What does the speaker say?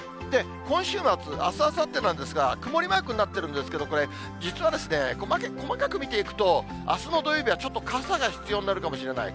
今週末、あす、あさってなんですが、曇りマークになってるんですけど、これ、実はですね、細かく見ていくと、あすの土曜日は、ちょっと傘が必要になるかもしれない。